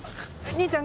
兄ちゃん。